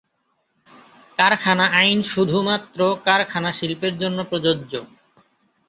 কারখানা আইন শুধুমাত্র কারখানা শিল্পের জন্য প্রযোজ্য।